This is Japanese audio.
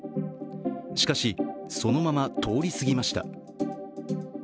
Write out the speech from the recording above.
しかし、そのまま通り過ぎました。